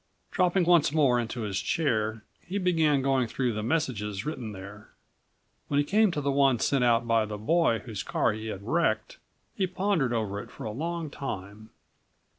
Dropping once more into his chair, he began going through the messages written there. When he came to the one sent out by the boy whose car he had wrecked, he pondered over it for a long time.